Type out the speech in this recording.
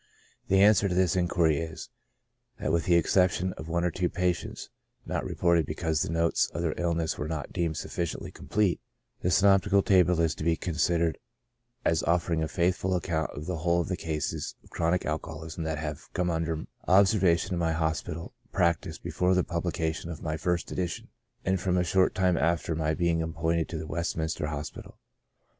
The answer to this inquiry is, that with the exception of one or two pa tients, not reported because the notes of their illness were not deemed sufficiently complete, the synoptical table is to be considered as offering a faithful account of the whole of the cases of chronic alcoholism that have come under obser vation in my hospital practice before the publication of my first edition, and from a short time after my being appointed to the Westminster Hospital.